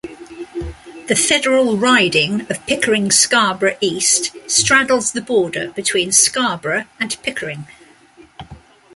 The Federal riding of Pickering-Scarborough East straddles the border between Scarborough and Pickering.